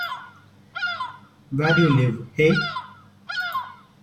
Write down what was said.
Where d'you live, hey?